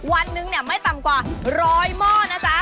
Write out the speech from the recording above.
วันนึงเนี่ยไม่ต่ำกว่าร้อยหม้อนะจ๊ะ